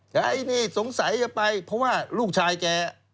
ยังสงสัยจะไปเพราะว่าลูกชายแก่